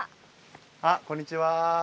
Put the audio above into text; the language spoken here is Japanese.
あっこんにちは！